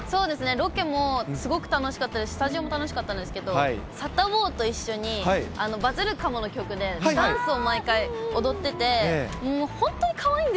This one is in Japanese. ロケもすごく楽しかったですし、スタジオも楽しかったんですけど、サタボーと一緒に、バズるかもの曲でダンスを毎回、踊ってて、もう本当にかわいいん